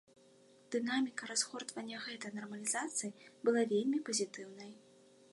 Дынаміка разгортвання гэтай нармалізацыі была вельмі пазітыўнай.